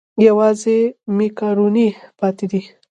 یوازې مېکاروني پاتې ده.